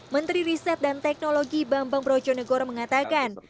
menteri riset dan teknologi bambang brojonegoro mengatakan